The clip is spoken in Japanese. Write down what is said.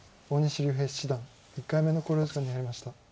大西竜平七段１回目の考慮時間に入りました。